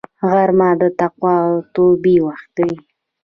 غرمه د تقوا او توبې وخت وي